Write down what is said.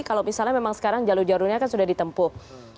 kalau misalnya memang sekarang jalur jalurnya kan sudah ditempuh